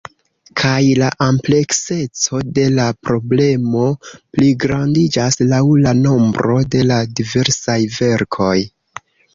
Kaj la amplekseco de la problemo pligrandiĝas laŭ la nombro de la diversaj verkoj.